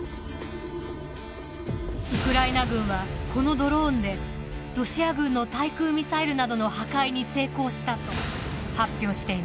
ウクライナ軍はこのドローンでロシア軍の対空ミサイルなどの破壊に成功したと発表しています。